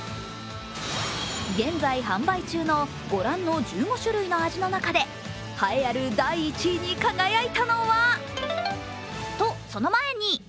現在、販売中のご覧の１５種類の味の中で栄えある第１位に輝いたのはと、その前に！